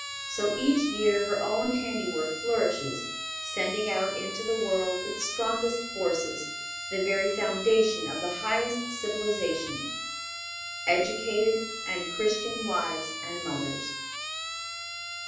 So each year her own handiwork flourishes, sending out into the world its strongest forces, the very foundation of the highest civilization, educated and Christian wives and mothers.